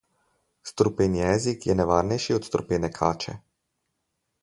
Strupen jezik je nevarnejši od strupene kače.